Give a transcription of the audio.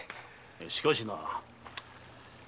しかしな。